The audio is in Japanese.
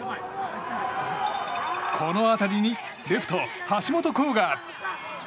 この当たりにレフト、橋本航河。